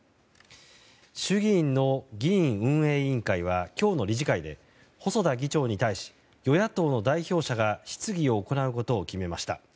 衆議院の議院運営委員会は今日の理事会で細田議長に対し与野党の代表者が質疑を行うことを決めました。